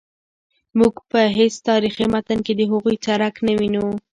موږ په هیڅ تاریخي متن کې د هغوی څرک نه وینو.